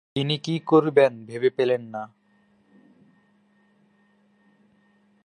তিনি কী করবেন ভেবে পেলেন না।